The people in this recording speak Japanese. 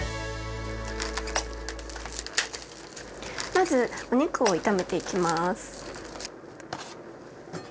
まずお肉を炒めていきます。